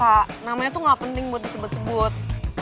nah namanya tuh gak penting buat disebut sebut